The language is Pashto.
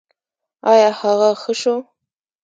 ایا هغه ښه شو؟